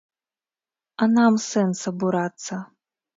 А нам сэнс абурацца?